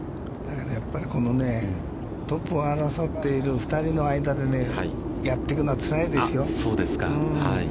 やっぱりトップを争っている２人の間でやっていくのはつらいですよ。